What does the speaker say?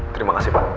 terima kasih pak